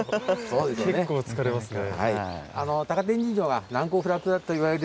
結構疲れますね。